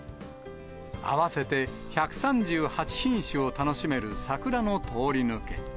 合わせて１３８品種を楽しめる桜の通り抜け。